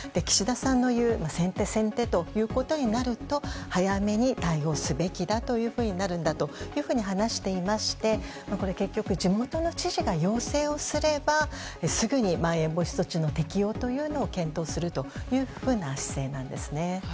岸田さんの言う先手、先手ということになると早めに対応すべきだというふうになるんだというふうに話していまして結局、地元の知事が要請をすれば、すぐにまん延防止措置の適用というのを検討するというふうな姿勢なんです。